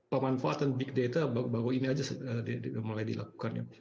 pemanfaatan big data baru ini saja mulai dilakukannya